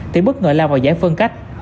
thì bất ngờ lao vào giải phân cách